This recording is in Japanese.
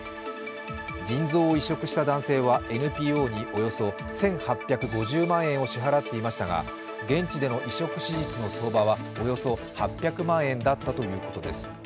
腎臓を移植した男性はＮＰＯにおよそ１８５０万円を支払っていましたが現地での移植手術の相場はおよそ８００万円だったということです。